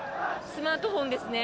スマートフォンですね。